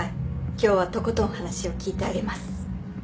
今日はとことん話を聞いてあげます。